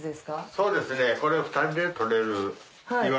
そうですね。